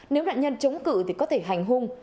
nếu nạn nhân chống cự thì có thể hành hung